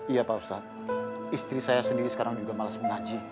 iya pak ustadz istri saya sendiri sekarang juga malas mengaji